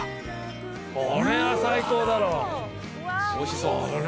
これは最高だろ。